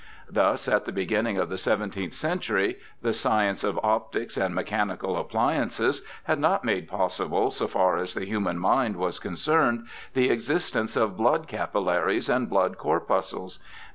HARVEY 297 Thus, at the beginning of the seventeenth century, the science of optics and mechanical appUances had not made possible (so far as the human mind was con cerned) the existence of blood capillaries and blood corpuscles.